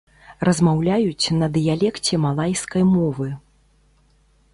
Размаўляюць на дыялекце малайскай мовы.